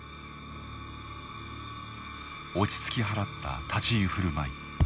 落ち着き払った立ち居振る舞い。